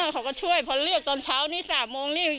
เขาก็ช่วยพอเลือกตอนเช้านี้๓โมงนี่